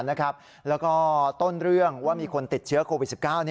แล้วก็ต้นเรื่องว่ามีคนติดเชื้อโควิด๑๙